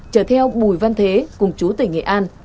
chở theo bùi văn thế cùng chú tỉnh nghệ an